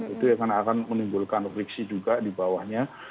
itu yang akan menimbulkan friksi juga di bawahnya